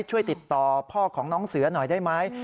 ช่วยติดต่อพ่อของน้องเสือหน่อยได้ไหม